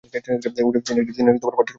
তিনি একটি পাঠচক্রে যোগ দেন।